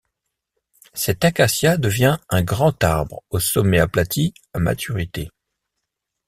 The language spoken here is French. Cet acacia devient un grand arbre au sommet aplati à maturité.